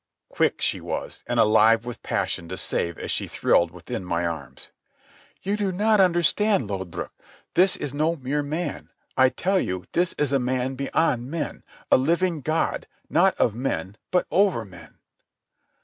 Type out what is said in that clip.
Quick she was, and alive with passion to save as she thrilled within my arms. "You do not understand, Lodbrog. This is no mere man. I tell you this is a man beyond men—a living God, not of men, but over men."